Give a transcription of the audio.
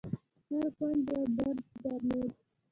هر کونج يو برج درلود.